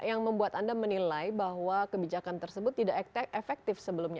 yang membuat anda menilai bahwa kebijakan tersebut tidak efektif sebelumnya